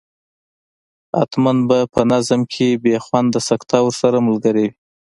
حتما به په نظم کې بې خونده سکته ورسره ملګرې وي.